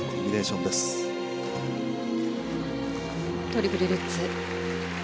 トリプルルッツ。